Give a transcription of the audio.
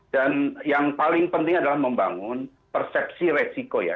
yang paling penting adalah membangun persepsi resiko ya